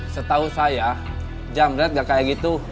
setahu saya jamret gak kayak gitu